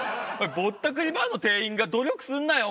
ぼったくりバーの店員が努力すんなよ